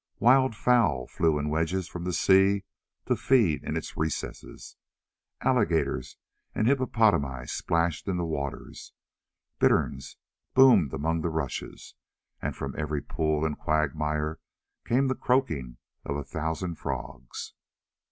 Wild fowl flew in wedges from the sea to feed in its recesses, alligators and hippopotami splashed in the waters, bitterns boomed among the rushes, and from every pool and quagmire came the croaking of a thousand frogs.